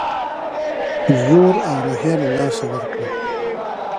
زور او روحیه له لاسه ورکړه.